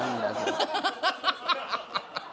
ハハハハ。